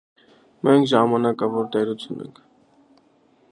Մենք ժամանակավոր տերություն ենք։